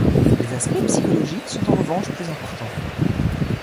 Les aspects psychologiques sont en revanche plus importants.